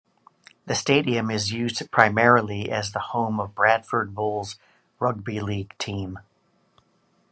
The stadium is used primarily as the home of Bradford Bulls Rugby League team.